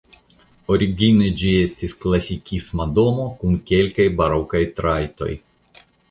Origine ĝi estis klasikisma domo kun kelkaj barokaj trajtoj.